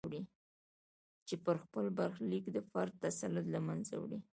چې پر خپل برخلیک د فرد تسلط له منځه وړي.